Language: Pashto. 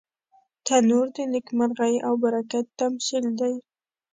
تنور د نیکمرغۍ او برکت تمثیل دی